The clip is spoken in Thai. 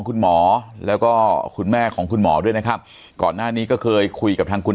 คุณหมอแล้วก็คุณแม่ของคุณหมอด้วยนะครับก่อนหน้านี้ก็เคยคุยกับทางคุณ